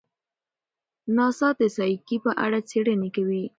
ناسا د سایکي په اړه څېړنې کوي.